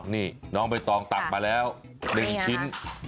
นี่น้องใบตองตักมาแล้ว๑ชิ้น